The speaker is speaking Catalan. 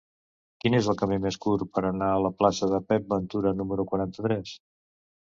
Quin és el camí més curt per anar a la plaça de Pep Ventura número quaranta-tres?